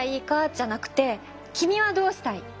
じゃなくて君はどうしたい？